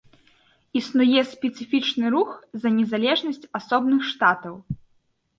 Існуе спецыфічны рух за незалежнасць асобных штатаў.